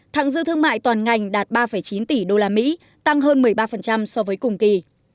thẳng dư thương mại toàn ngành đạt ba chín tỷ usd tăng hơn một mươi ba so với cùng kỳ